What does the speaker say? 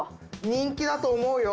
人気だと思うよ。